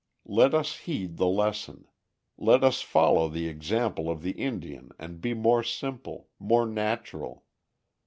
Let us heed the lesson. Let us follow the example of the Indian and be more simple, more natural.